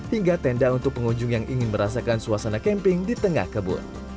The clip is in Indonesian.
hingga tenda untuk pengunjung yang ingin merasakan suasana camping di tengah kebun